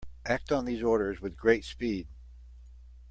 Act on these orders with great speed.